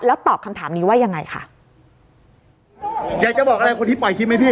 แล้วตอบคำถามนี้ว่ายังไงค่ะอยากจะบอกอะไรคนที่ปล่อยคลิปไหมพี่